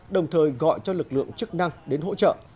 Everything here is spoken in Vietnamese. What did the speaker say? đồng thời gọi cho lực lượng chức năng đến hỗ trợ